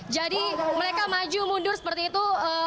jadi mereka maju mundur seperti itu